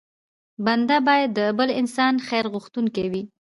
بنده بايد د بل انسان خیر غوښتونکی وي.